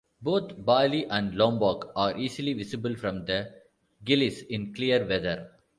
Both Bali and Lombok are easily visible from the Gilis in clear weather.